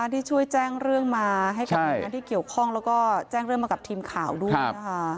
ที่ช่วยแจ้งเรื่องมาให้กับหน่วยงานที่เกี่ยวข้องแล้วก็แจ้งเรื่องมากับทีมข่าวด้วยนะคะ